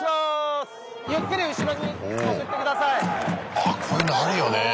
あっこういうのあるよね。